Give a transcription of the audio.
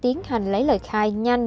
đã tiến hành lấy lời khai nhanh